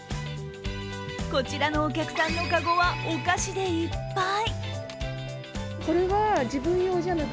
こちらのお客さんの籠はお菓子でいっぱい。